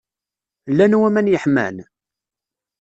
Llan waman yeḥman?